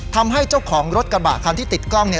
ทำให้เจ้าของรถกระบะคันที่ติดกล้องเนี่ย